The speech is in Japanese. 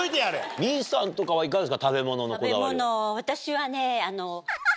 未唯ｍｉｅさんとかはいかがですか？